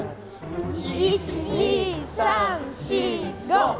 １・２・３・４・５。